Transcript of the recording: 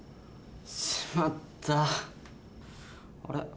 あれ？